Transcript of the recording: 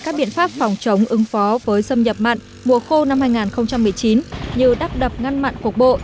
các biện pháp phòng chống ứng phó với xâm nhập mặn mùa khô năm hai nghìn một mươi chín như đắp đập ngăn mặn cuộc bộ